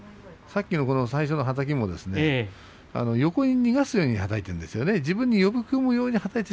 最初のはたきも横に逃がすようにはたいているんですよね。